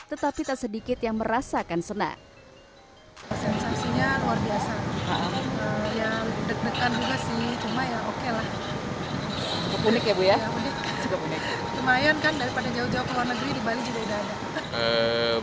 tetapi tak sedikit yang merasakan senang hai sensasinya luar biasa